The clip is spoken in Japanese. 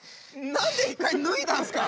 何で一回脱いだんすか？